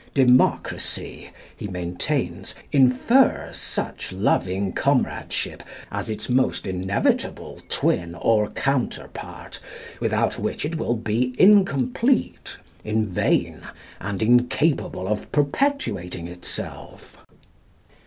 "Democracy," he maintains, "infers such loving comradeship, as its most inevitable twin or counterpart, without which it will be incomplete, in vain, and incapable of perpetuating itself."